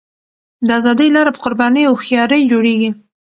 د ازادۍ لاره په قربانۍ او هوښیارۍ جوړېږي.